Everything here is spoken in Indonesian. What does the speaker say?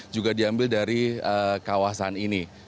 juga diambil dari kawasan ini